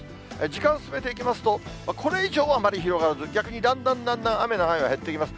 時間進めていきますと、これ以上はあまり広がらず、逆にだんだんだんだん雨の範囲は減っていきます。